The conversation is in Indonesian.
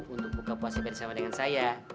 untuk buka puasa bersama dengan saya